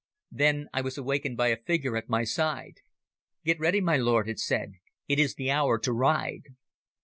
Then I was awakened by a figure at my side. "Get ready, my lord," it said; "it is the hour to ride."